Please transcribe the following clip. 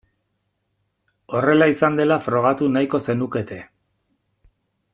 Horrela izan dela frogatu nahiko zenukete.